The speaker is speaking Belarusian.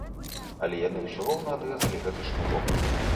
Але яны ўсё роўна адрэзалі гэты шнурок.